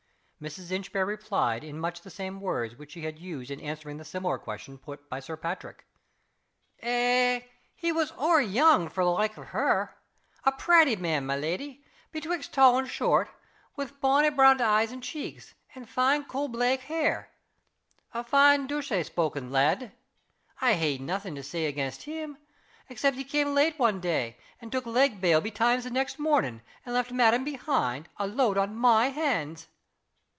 Mrs. Inchbare replied in much the same words which she had used in answering the similar question put by Sir Patrick. "Eh! he was ower young for the like o' her. A pratty man, my leddy betwixt tall and short; wi' bonny brown eyes and cheeks, and fine coal blaik hair. A nice douce spoken lad. I hae naething to say against him except that he cam' late one day, and took leg bail betimes the next morning, and left madam behind, a load on my hands."